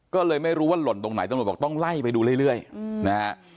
ก็เลยไม่รู้ว่าหล่นตรงไหนตำรวจบอกต้องไล่ไปดูเรื่อยนะฮะ